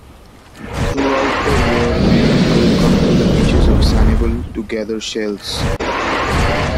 Throughout the year, many people come to the beaches of Sanibel to gather shells.